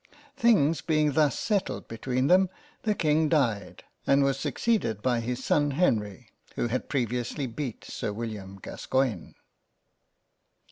Things being thus settled between them the King died, and was succeeded by his son Henry who had previously beat Sir William Gas coigne.